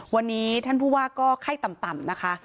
วันนี้ท่านผู้ว่าก็ไข้ต่ำนะคะ